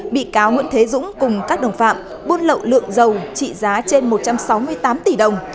bị cáo nguyễn thế dũng cùng các đồng phạm buôn lậu lượng dầu trị giá trên một trăm sáu mươi tám tỷ đồng